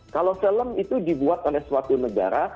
kalau film itu dibuat oleh suatu negara